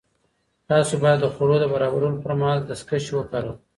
تاسو باید د خوړو د برابرولو پر مهال دستکشې وکاروئ.